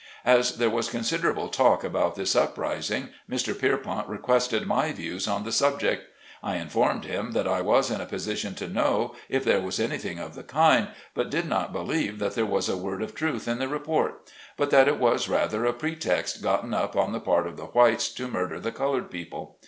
As there was considerable talk about this upris ing, Mr. Pierpont requested my views on the subject. I informed him that I was in a position to know, if there was anything of the kind, but did not believe that there was a word of truth in the report ; but that it was rather a pretext gotten up on the part of the whites to murder the colored people.